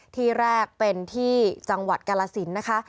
ที่แรกเป็นที่จังหวัดกาลสินนะคะ